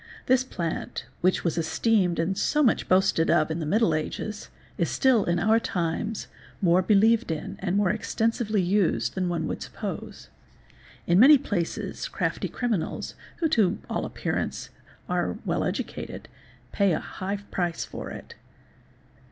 This plantyy which was esteemed and so much boasted of in the middle ages, is still in our times more believed in and more extensively used than one would suppose. In many places crafty criminals, who to all appearance are well educated, pay a high price for it.